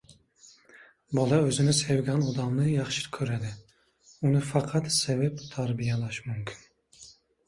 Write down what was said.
Bola o‘zini sevgan odamni yaxshi ko‘radi, uni faqat sevib tarbiyalash mumkin.